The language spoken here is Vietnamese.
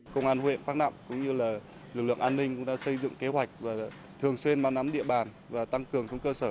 công an huyện bắc nạm cũng như lực lượng an ninh cũng đã xây dựng kế hoạch và thường xuyên bám nắm địa bàn và tăng cường xuống cơ sở